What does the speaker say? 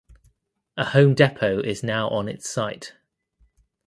A Home Depot is now on its site.